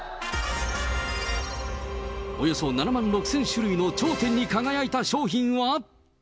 およそ７万６０００種類の頂点に輝いた商品は？